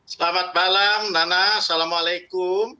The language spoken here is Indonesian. selamat malam nana assalamualaikum